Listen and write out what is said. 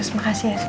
terima kasih yesus